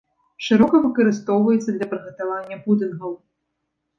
Шырока выкарыстоўваецца для прыгатавання пудынгаў.